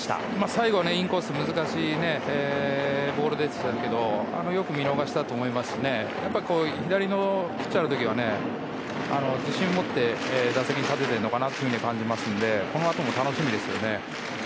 最後、インコース難しいボールでしたけどよく見逃したと思いますしやっぱり左ピッチャーの時は自信を持って打席に立ててるのかなと感じますのでこのあとも楽しみですよね。